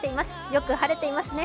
よく晴れていますね。